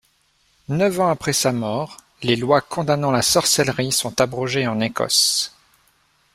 Neuf ans après sa mort, les lois condamnant la sorcellerie sont abrogées en Ecosse.